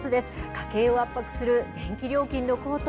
家計を圧迫する電気料金の高騰。